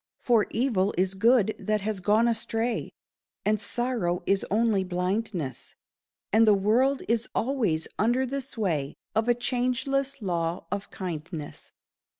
For evil is good that has gone astray, And sorrow is only blindness, And the world is always under the sway Of a changeless law of kindness.